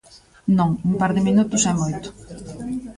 Non, un par de minutos é moito.